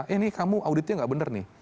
eh ini kamu auditenya nggak benar nih